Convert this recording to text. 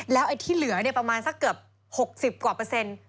ไอ้ที่เหลือเนี่ยประมาณสักเกือบ๖๐กว่าเปอร์เซ็นต์